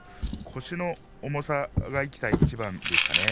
腰の重さが生きた一番でしたね。